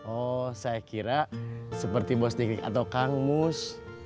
oh saya kira seperti bos dik dik atau kang mus